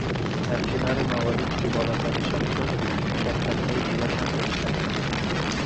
در کنار مواردی که بالاتر اشاره شد، مشارکتهای دیگری هم داشتهام